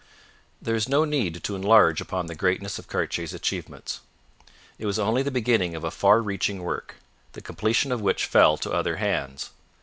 There is no need to enlarge upon the greatness of Cartier's achievements. It was only the beginning of a far reaching work, the completion of which fell to other hands.